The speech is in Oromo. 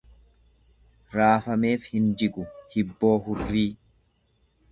Raafameef hin jigu hibboo hurrii.